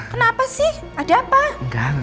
kenapa sih ada yang ngasih uang itu